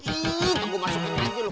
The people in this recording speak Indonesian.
ih mau gua masukin aja lo